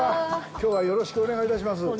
きょうはよろしくお願いいたします。